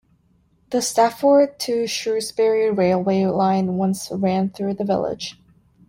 The Stafford to Shrewsbury railway line once ran through the village.